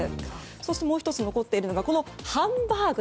そして、もう１つ残っているのがハンバーグ。